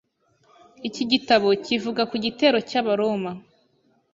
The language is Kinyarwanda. Iki gitabo kivuga ku gitero cy’Abaroma.